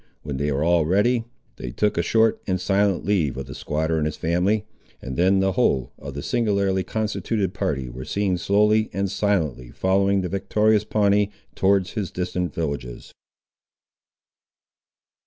When they were all ready, they took a short and silent leave of the squatter and his family; and then the whole of the singularly constituted party were seen slowly and silently following the victorious Pawnee towards his distant villages.